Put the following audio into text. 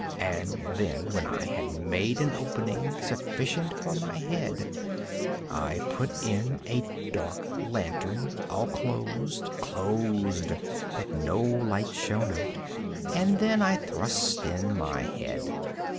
And then, when I had made an opening sufficient for my head, I put in a dark lantern, all closed, closed, that no light shone out, and then I thrust in my head.